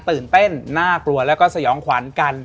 ตื่นเต้นน่ากลัวแล้วก็สยองขวัญกัน